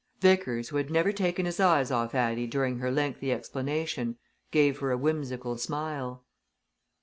Vickers, who had never taken his eyes off Addie during her lengthy explanation, gave her a whimsical smile.